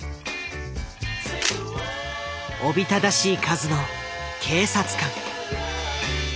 おびただしい数の警察官。